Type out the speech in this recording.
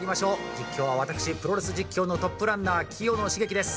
実況は私、プロレス実況のトップランナー清野茂樹です。